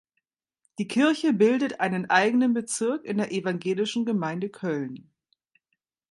Die Kirche bildet einen eigenen Bezirk in der Evangelischen Gemeinde Köln.